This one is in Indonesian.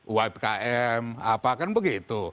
ypkm apa kan begitu